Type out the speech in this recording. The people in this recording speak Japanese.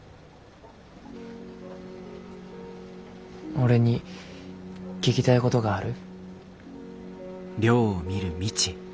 俺に聞きたいごどがある？